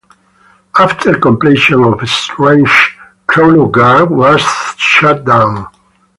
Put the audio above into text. After completion of Esrange Kronogard was shut down.